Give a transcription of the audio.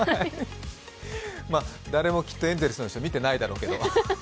誰もエンゼルスの人、見てないでしょうけど。